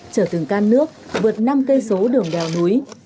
chở từng can nước vượt năm cây số đường đèo núi